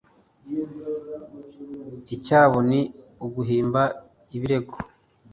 icyabo ni uguhimba ibirego